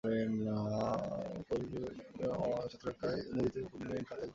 তিনি পোলিশদের স্বার্থরক্ষায় নিয়োজিতো Polonia in ফ্রান্সের একজন সক্রিয় সদস্য ছিলেন।